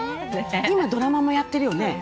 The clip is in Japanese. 今ドラマもやってるよね？